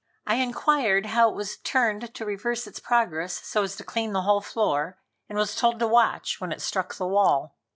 I inquired how it was turned to reverse its progress so as to clean the whole floor, and was told to watch when it struck the wall.